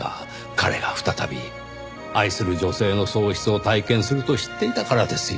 彼が再び愛する女性の喪失を体験すると知っていたからですよ。